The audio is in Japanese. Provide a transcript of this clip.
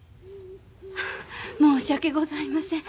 申し訳ございません。